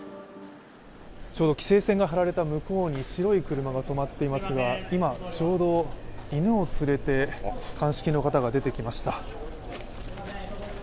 ちょうど規制線が張られた向こうに白い車が止まっていますが今、ちょうど犬を連れて鑑識の方が出てきました。